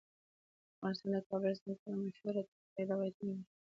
افغانستان د کابل سیند په اړه مشهور تاریخی روایتونه لري.